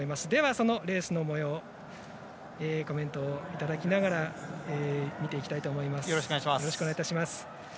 そのレースのもようをコメントいただきながら見ていきたいと思います。